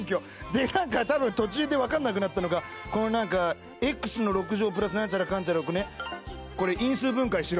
でなんか多分途中でわかんなくなったのかこのなんか「Ｘの６乗プラスなんちゃらかんちゃらを因数分解しろ」